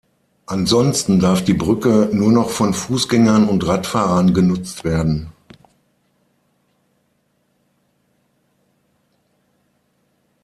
Ansonsten darf die Brücke nur noch von Fußgängern und Radfahrern genutzt werden.